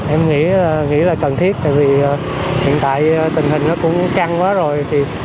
em nghĩ là cần thiết tại vì hiện tại tình hình nó cũng căng quá rồi